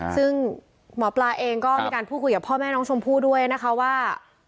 ซึ่งหมอปลาเองก็มีการพูดคุยกับพ่อแม่น้องชมพู่ด้วยนะคะว่า